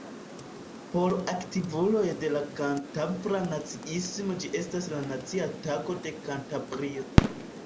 Por aktivuloj de la kantabra naciismo ĝi estas la nacia tago de Kantabrio.